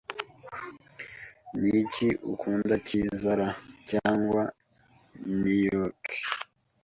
Niki ukunda cyiza, L.A. cyangwa New York?